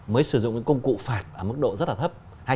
mới sử dụng công cụ phạt mức độ rất là thấp